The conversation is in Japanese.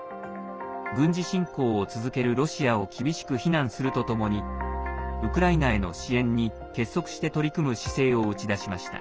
軍事侵攻を続けるロシアを厳しく非難するとともにウクライナへの支援に結束して取り組む姿勢を打ち出しました。